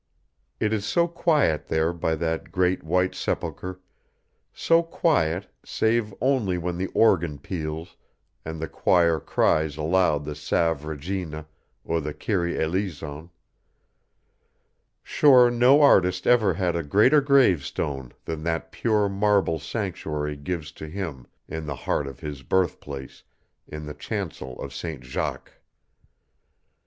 It is so quiet there by that great white sepulchre so quiet, save only when the organ peals and the choir cries aloud the Salve Regina or the Kyrie Eleison. Sure no artist ever had a greater gravestone than that pure marble sanctuary gives to him in the heart of his birthplace in the chancel of St. Jacques.